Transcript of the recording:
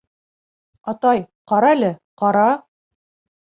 — Атай, ҡарәле, ҡара!